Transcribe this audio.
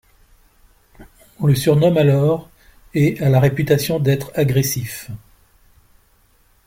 On le surnomme alors et a la réputation d'être agressif.